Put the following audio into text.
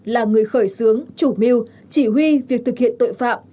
là người khởi xướng chủ mưu chỉ huy việc thực hiện tội phạm